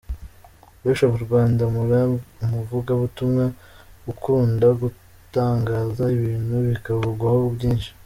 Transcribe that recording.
Bishop Rwandamura; umuvugabutumwa ukunda gutangaza ibintu bikavugwaho byinshi.